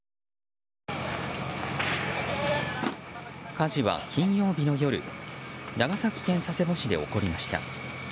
火事は金曜日の夜長崎県佐世保市で起こりました。